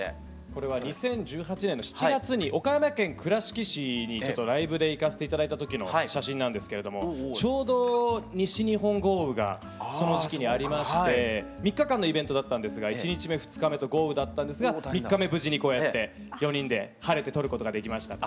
これは２０１８年の７月で岡山県倉敷市にライブで行かせて頂いた時の写真なんですけれどもちょうど西日本豪雨がその時期にありまして３日間のイベントだったんですが１日目２日目と豪雨だったんですが３日目無事にこうやって４人で晴れて撮ることができました。